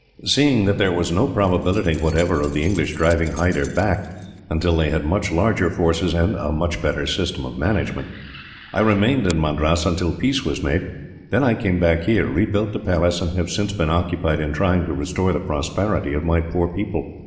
Seeing that there was no probability, whatever, of the English driving Hyder back, until they had much larger forces and a much better system of management, I remained in Madras until peace was made; then I came back here, rebuilt the palace, and have since been occupied in trying to restore the prosperity of my poor people.